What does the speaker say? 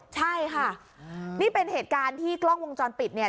ใช่ค่ะนี่เป็นเหตุการณ์ที่กล้องวงจรปิดเนี่ย